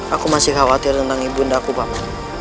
aku masih khawatir tentang ibu undaku papa